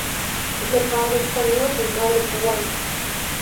De padre español y madre cubana.